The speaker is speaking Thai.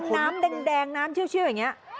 น้ำแดงน้ำเชื่ออย่างนี้